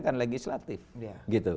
kan legislatif gitu